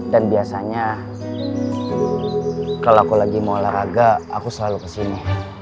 dan biasanya kalau aku lagi mau olahraga aku selalu kesini